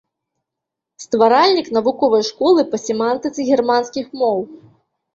Стваральнік навуковай школы па семантыцы германскіх моў.